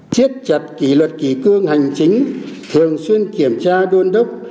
siết chặt kỷ luật kỷ cương hành chính thường xuyên kiểm tra đôn đốc